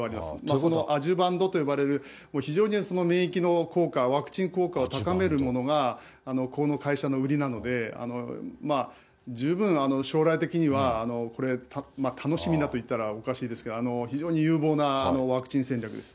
このアジュバンドと呼ばれる、非常にその免疫の効果、ワクチン効果を高めるものが、この会社の売りなので、十分将来的にはこれ、楽しみだと言ったらおかしいですが、非常に有望なワクチン戦略です。